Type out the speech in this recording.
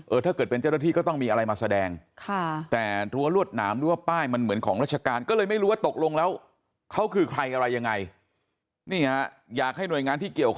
ถ้าเกิดเป็นเจ้าหน้าที่ก็ต้องมีอะไรมาแสดงค่ะ